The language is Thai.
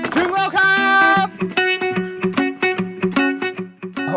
ถึงแล้วครับ